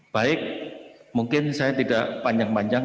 baik mungkin saya tidak panjang panjang